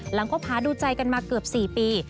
คบหาดูใจกันมาเกือบ๔ปี